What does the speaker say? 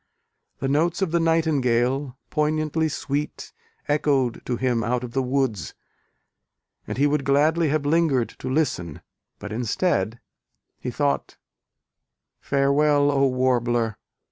The notes of the nightingale, poignantly sweet, echoed to him out of the woods, and he would gladly have lingered to listen; but, instead, he thought Farewell, O Warbler!